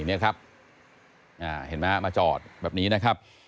นี่นะฮะเห็นไหมมาจอดแบบนี้นะครับ